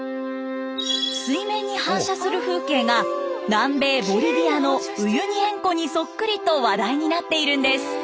水面に反射する風景が南米ボリビアのウユニ塩湖にそっくりと話題になっているんです。